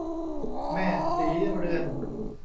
แม่ศรีเรือน